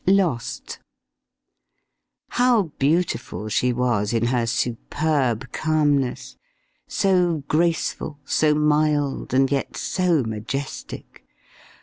LOST. How beautiful she was in her superb calmness, so graceful, so mild, and yet so majestic!